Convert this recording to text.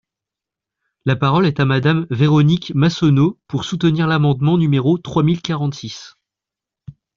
La parole est à Madame Véronique Massonneau, pour soutenir l’amendement numéro trois mille quarante-six.